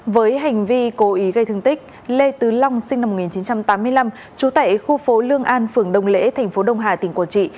với hành vi cố ý gây thương tích lê tứ long sinh năm một nghìn chín trăm tám mươi năm trú tại khu phố lương an phường đông lễ tp đông hà tỉnh quảng trị